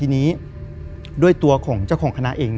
ทีนี้ด้วยตัวของเจ้าของคณะเอง